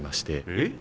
えっ？